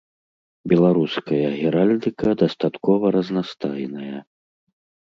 Беларуская геральдыка дастаткова разнастайная.